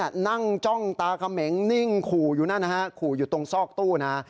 นั่งจ้องตาเขมงนิ่งขู่อยู่นั่นนะฮะขู่อยู่ตรงซอกตู้นะ